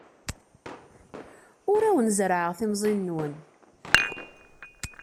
Ur awen-zerrɛeɣ timẓin-nwen.